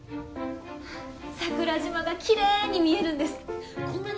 桜島がきれいに見えるんです。